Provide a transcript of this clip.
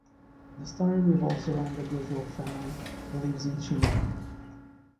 The story revolves around the Gujral family who lives in Shimla.